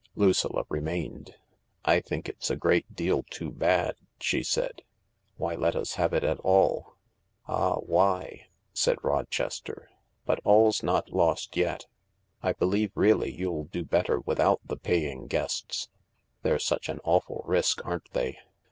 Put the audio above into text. Lucilla remained. " I think it's a great deal too bad," she said. " Why let us have it at all ?" <c Ah, why ?" said Rochester. " But all's not lost yet. I believe really you'll do better without the paying guests— they're such an awful risk, aren't they